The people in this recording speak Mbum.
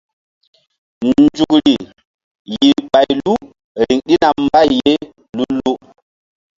Nzukri yih ɓay lu riŋ ɗina mbay ye lu-lu.